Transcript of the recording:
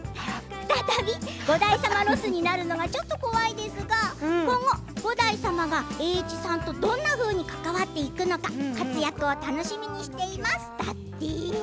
再び五代様ロスになるのがちょっと怖いですが今後、五代様が栄一さんとどんなふうに関わっていくのか活躍を楽しみにしていますだって。